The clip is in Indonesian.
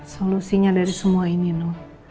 solusinya dari semua ini loh